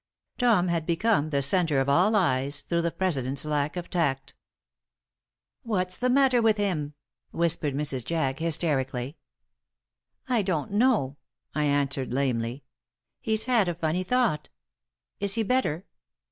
Tom had become the center of all eyes through the president's lack of tact. "What's the matter with him?" whispered Mrs. Jack, hysterically. "I don't know," I answered, lamely. "He's had a funny thought. Is he better?"